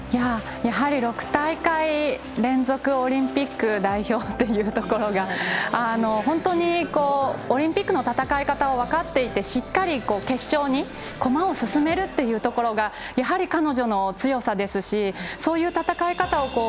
やはり６大会連続オリンピック代表というところが本当にオリンピックの戦い方を分かっていてしっかり決勝に駒を進めるというところがやはり彼女の強さですしそういう戦い方を